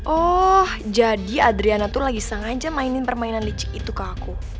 oh jadi adriana tuh lagi sengaja mainin permainan licin itu ke aku